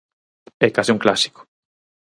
É case un clásico.